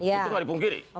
itu nggak dipungkiri